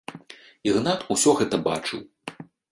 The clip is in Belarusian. Ігнат ўсё гэта бачыў.